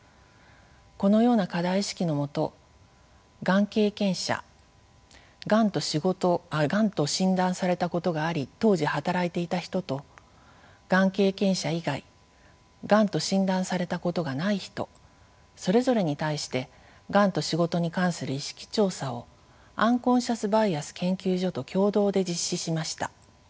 このような課題意識のもとがん経験者がんと診断されたことがあり当時働いていた人とがん経験者以外がんと診断されたことがない人それぞれに対してがんと仕事に関する意識調査をアンコンシャスバイアス研究所と共同で実施しました。